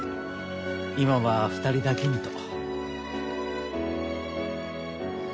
今は２人だけにと。